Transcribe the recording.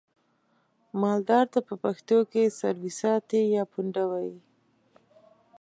مالدار ته په پښتو کې څارويساتی یا پوونده وایي.